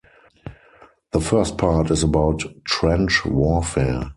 The first part is about trench warfare.